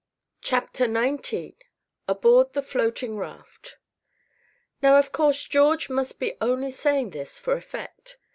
CHAPTER XIX ABOARD THE FLOATING RAFT Now, of course George must be only saying this for effect.